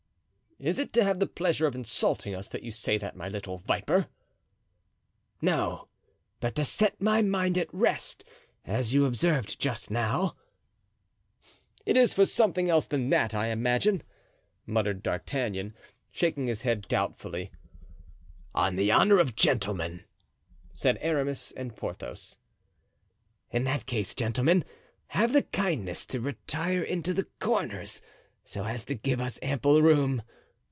"Is it to have the pleasure of insulting us that you say that, my little viper?" "No, but to set my mind at rest, as you observed just now." "It is for something else than that, I imagine," muttered D'Artagnan, shaking his head doubtfully. "On the honor of gentlemen," said Aramis and Porthos. "In that case, gentlemen, have the kindness to retire into the corners, so as to give us ample room.